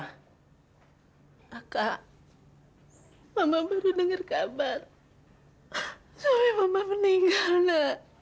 kak mama baru dengar kabar suami mama meninggal ma